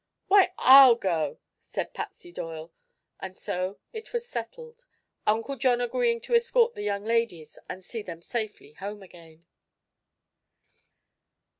"Why, I'll go," said Patsy Doyle; and so it was settled, Uncle John agreeing to escort the young ladies and see them safely home again.